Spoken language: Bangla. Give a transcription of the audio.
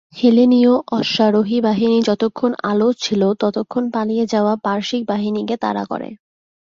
হেলেনিয় অশ্বারোহী বাহিনী যতক্ষণ আলো ছিল ততক্ষণ পালিয়ে যাওয়া পারসিক বাহিনীকে তাড়া করে।